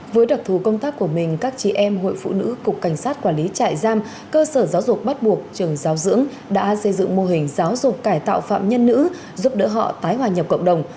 với đặc thù công tác của mình các chị em hội phụ nữ cục cảnh sát quản lý trại giam cơ sở giáo dục bắt buộc trường giáo dưỡng đã xây dựng mô hình giáo dục cải tạo phạm nhân nữ giúp đỡ họ tái hòa nhập cộng đồng